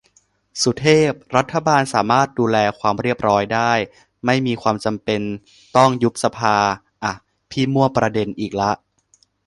สุเทพ :"รัฐบาลสามารถดูแลความเรียบร้อยได้ ไม่มีความจำเป็นต้องยุบสภา" อ่ะ พี่มั่วประเด็นอีกละ